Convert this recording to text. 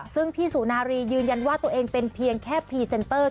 ซึ่งพี่สุนารียืนยันว่าตัวเองเป็นเพียงแค่พรีเซนเตอร์